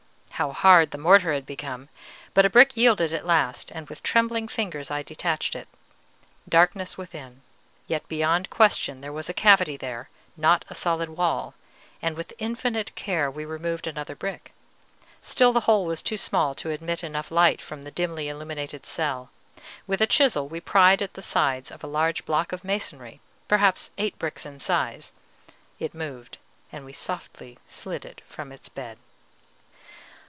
How hard the mortar had become! But a brick yielded at last, and with trembling fingers I detached it. Darkness within, yet beyond question there was a cavity there, not a solid wall; and with infinite care we removed another brick. Still the hole was too small to admit enough light from the dimly illuminated cell. With a chisel we pried at the sides of a large block of masonry, perhaps eight bricks in size. It moved, and we softly slid it from its bed.